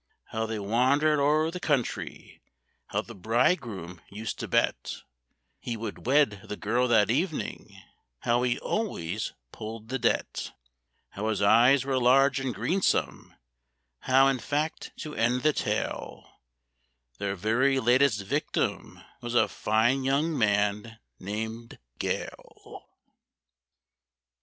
How they wandered o'er the country; how the bridegroom used to bet He would wed the girl that evening,—how he always pulled the debt; How his eyes were large and greensome; how, in fact, to end the tale, Their very latest victim was a fine young man named Gale.